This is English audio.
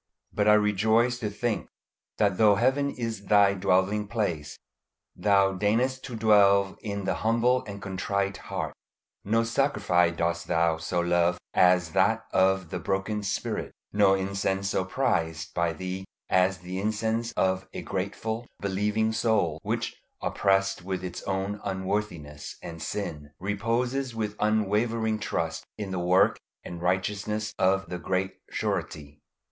But I rejoice to think that though Heaven is Thy dwelling place Thou deignest to dwell in the humble and contrite heart; no sacrifice dost Thou so love as that of the broken spirit; no incense so prized by Thee as the incense of a grateful, believing soul, which, oppressed with its own unworthiness and sin, reposes with unwavering trust in the work and righteousness of the Great Surety.